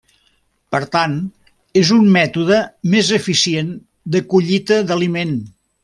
Per tant, és un mètode més eficient de collita d'aliment.